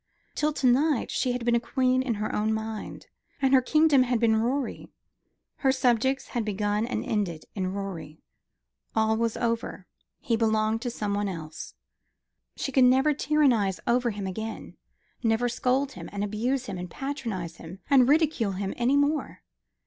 Till to night she had been a queen in her own mind; and her kingdom had been Rorie, her subjects had begun and ended in Rorie. All was over. He belonged to some one else. She could never tyrannise over him again never scold him and abuse him and patronise him and ridicule him any more.